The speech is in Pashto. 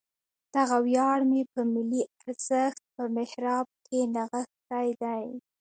دغه ویاړ مې په ملي ارزښت په محراب کې نغښتی دی.